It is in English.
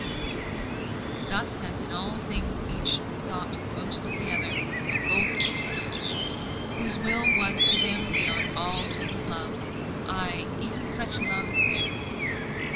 Thus as in all things each thought most of the other, and both of Him whose will was to them beyond all human love, ay, even such love as theirs.